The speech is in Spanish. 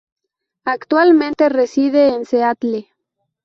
Actualmente, reside en Seattle.